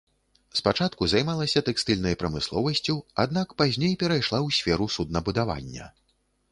Спачатку займалася тэкстыльнай прамысловасцю, аднак пазней перайшла ў сферу суднабудавання.